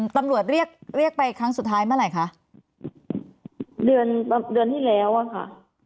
ตำรวจเรียกเรียกไปครั้งสุดท้ายเมื่อไหร่คะเดือนเดือนที่แล้วอะค่ะ